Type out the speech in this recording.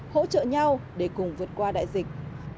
hỗ trợ nhau để cùng vượt qua đại dịch